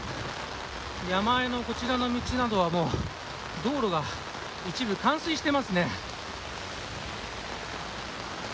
山あいのこちらの道などは道路が一部冠水してますね。